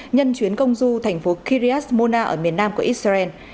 nhân chuyến công du thành phố kiriat mona ở miền nam của israel